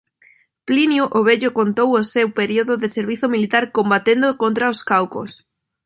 Plinio o Vello contou o seu período de servizo militar combatendo contra os caucos.